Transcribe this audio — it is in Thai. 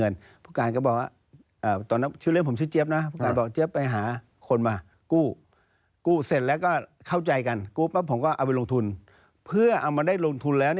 เ่เนนะพอก็อยากจะได้ก็ปรึกษาพวกการ